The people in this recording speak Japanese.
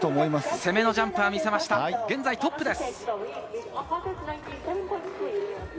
攻めのジャンプをみせました、現在トップです。